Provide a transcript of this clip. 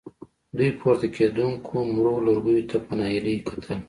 دوی پورته کېدونکو مړو لوګيو ته په ناهيلۍ کتل.